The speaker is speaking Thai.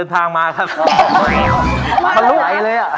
อยากแต่งานกับเธออยากแต่งานกับเธอ